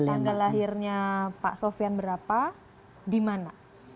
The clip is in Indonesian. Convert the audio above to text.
tanggal lahirnya pak sofian berapa di mana